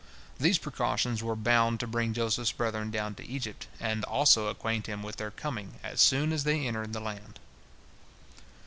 These precautions were bound to bring Joseph's brethren down to Egypt, and also acquaint him with their coming as soon as they entered the land.